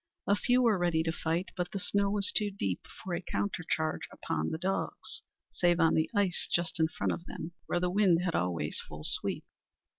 A few were ready to fight, but the snow was too deep for a countercharge upon the dogs, save on the ice just in front of them, where the wind had always full sweep.